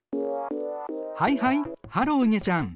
はいはいハローいげちゃん。